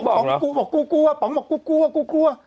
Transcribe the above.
ปี๊กูกลัวป๋อมบอกกูกลัว